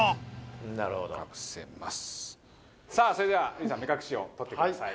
気それではルイさん目隠しを取ってください。